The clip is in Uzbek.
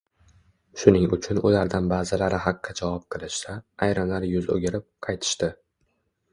Shuning uchun ulardan ba’zilari haqqa javob qilishsa, ayrimlari yuz o‘girib, qaytishdi